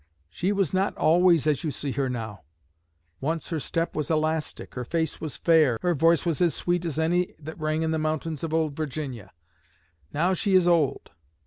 She was not always as you see her now. Once her step was elastic. Her face was fair. Her voice was as sweet as any that rang in the mountains of old Virginia. Now she is old.